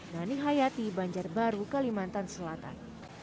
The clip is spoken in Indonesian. nani hayati banjarbaru kalimantan selatan